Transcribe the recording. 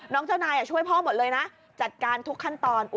เจ้านายช่วยพ่อหมดเลยนะจัดการทุกขั้นตอน